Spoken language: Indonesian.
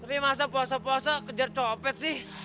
tapi masa puasa puasa kejar copet sih